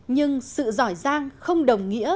nhưng sự giỏi giang không đồng nghĩa